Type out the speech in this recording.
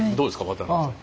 渡辺さん。